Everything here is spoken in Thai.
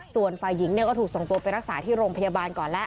ส่วนฝ่ายหญิงก็ถูกส่งตัวไปรักษาที่โรงพยาบาลก่อนแล้ว